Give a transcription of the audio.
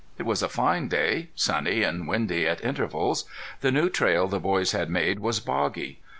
It was a fine day, sunny and windy at intervals. The new trail the boys had made was boggy.